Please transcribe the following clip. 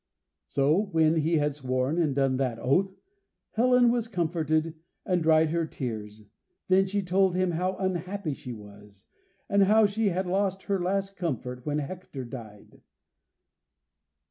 So when he had sworn and done that oath, Helen was comforted and dried her tears. Then she told him how unhappy she was, and how she had lost her last comfort when Hector died.